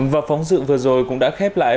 và phóng dự vừa rồi cũng đã khép lại